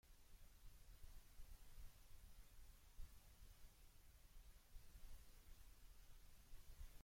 El palio, procedente de La Algaba, está realizado por Seco Velasco.